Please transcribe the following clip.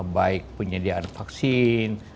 baik penyediaan vaksin